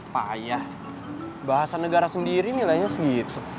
payah bahasa negara sendiri nilainya segitu